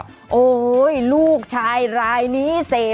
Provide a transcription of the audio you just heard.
แม่ละแม่อยากห่วงแม่ละ